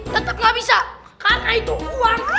tetep gak bisa karena itu uang